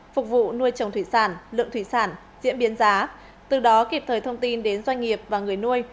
phục vụ nuôi trồng thủy sản lượng thủy sản diễn biến giá từ đó kịp thời thông tin đến doanh nghiệp và người nuôi